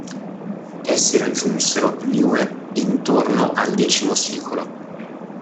Essi raggiunsero Niue intorno al X secolo.